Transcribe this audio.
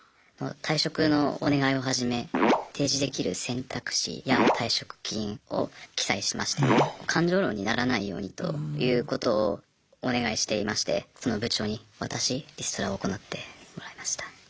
退職のお願いをはじめ提示できる選択肢や退職金を記載しまして感情論にならないようにということをお願いしていましてその部長に渡しリストラを行ってもらいました。